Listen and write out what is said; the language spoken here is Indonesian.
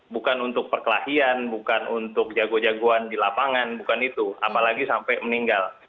bukan untuk perkelahian bukan untuk jago jagoan di lapangan bukan itu apalagi sampai meninggal